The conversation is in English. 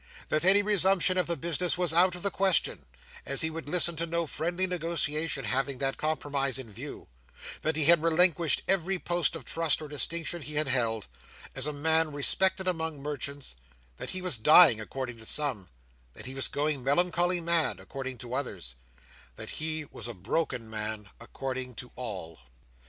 That any resumption of the business was out of the question, as he would listen to no friendly negotiation having that compromise in view; that he had relinquished every post of trust or distinction he had held, as a man respected among merchants; that he was dying, according to some; that he was going melancholy mad, according to others; that he was a broken man, according to all.